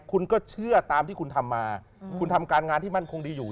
คุณก็เชื่อตามที่คุณทำมาคุณทำการงานที่มั่นคงดีอยู่